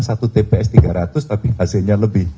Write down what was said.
satu tps tiga ratus tapi hasilnya lebih